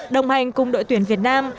đồng hành cùng đội tuyển việt nam